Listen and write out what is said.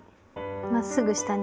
まっすぐ下に。